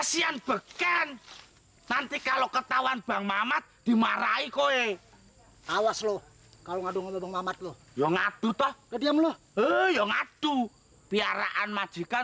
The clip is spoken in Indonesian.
sampai jumpa di video selanjutnya